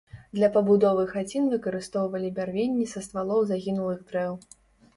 Для пабудовы хацін выкарыстоўвалі бярвенні са ствалоў загінулых дрэў.